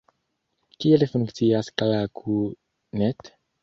Kiel funkcias Klaku.net?